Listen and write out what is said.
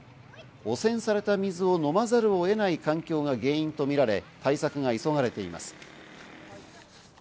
汚染された水を飲まざるを得ない環境が原因とみられ、対策が急がれています。